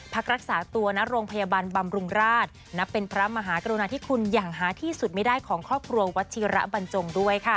พักรักษาตัวณโรงพยาบาลบำรุงราชนับเป็นพระมหากรุณาธิคุณอย่างหาที่สุดไม่ได้ของครอบครัววัชิระบรรจงด้วยค่ะ